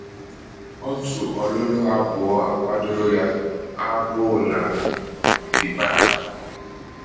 Otu olulu abuo akwadoro ya: "Agu" na "The Bag".